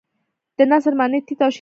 د نثر معنی تیت او شیندل دي.